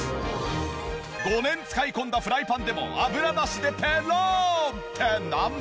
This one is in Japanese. ５年使い込んだフライパンでも油なしでペロン！